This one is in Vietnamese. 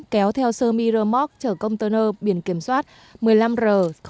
kéo theo sơ miramoc chở container biển kiểm soát một mươi năm r sáu nghìn một trăm sáu mươi bảy